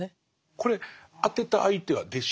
これ宛てた相手は弟子？